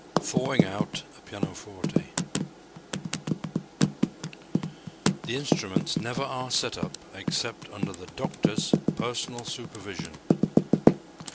"Thawing Out" a Pianoforte. The instruments never are set up except under the "doctor's" personal supervision.